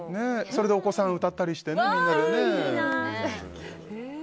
それでお子さんが歌ったりしてね、みんなで。